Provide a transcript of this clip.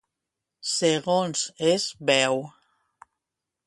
Segons es veu.